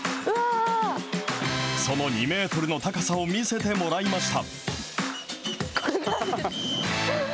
その２メートルの高さを見せてもらいました。